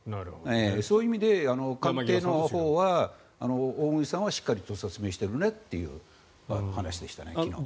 そういう意味で官邸のほうは大串さんはしっかりと説明しているねという話でしたね、昨日は。